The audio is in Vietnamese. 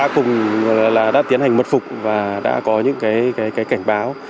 cùng đã tiến hành mật phục và đã có những cảnh báo